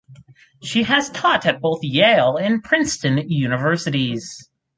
She has taught at both Yale and Princeton universities.